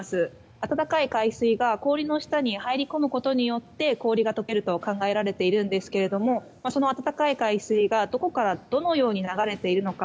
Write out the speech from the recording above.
暖かい海水が氷の下に入り込むことによって氷が解けると考えられているんですけどその暖かい海水が、どこからどのように流れているのか。